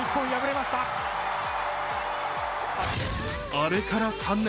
あれから３年。